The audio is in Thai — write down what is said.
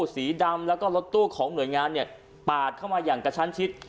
สีดำแล้วก็รถตู้ของหน่วยงานเนี่ยปาดเข้ามาอย่างกระชั้นชิด